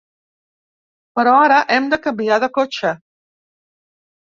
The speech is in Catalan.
Però ara hem de canviar de cotxe.